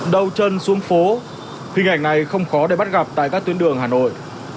đầu chân xuống phố hình ảnh này không khó để bắt gặp tại các tuyến đường hà nội